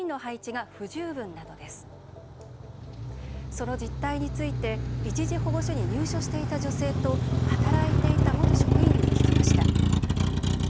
その実態について一時保護所に入所していた女性と働いていた元職員に聞きました。